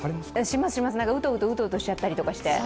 うとうとうとうとしちゃったりして。